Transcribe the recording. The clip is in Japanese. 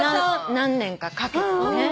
何年かかけて。